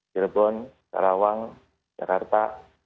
cirebon sarawang jakarta